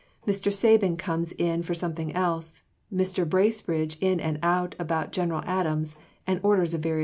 Mr. Sabin comes in for something else. Mr. Bracebridge in and out about General Adams, and orders of various kinds.